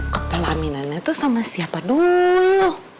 kepala aminannya itu sama siapa dulu